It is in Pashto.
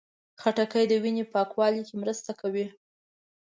خټکی د وینې پاکوالي کې مرسته کوي.